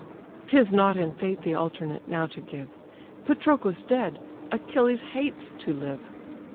'Tis not in fate the alternate now to give; Patroclus dead, Achilles hates to live.